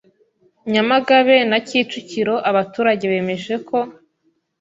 Nyamagabe na Kicukiro abaturage bemeje ko